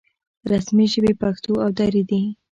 رسمي ژبې پښتو او دري دي